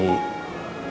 aku akan berusaha